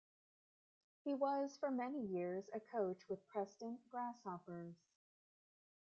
He was for many years a coach with Preston Grasshoppers.